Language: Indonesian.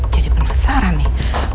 jadi penasaran nih